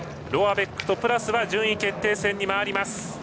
ロアベックとプラスは順位決定戦に回ります。